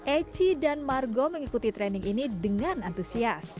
eci dan margo mengikuti training ini dengan antusias